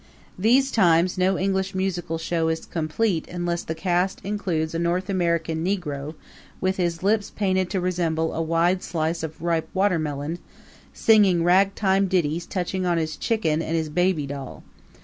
These times no English musical show is complete unless the cast includes a North American negro with his lips painted to resemble a wide slice of ripe watermelon, singing ragtime ditties touching on his chicken and his Baby Doll.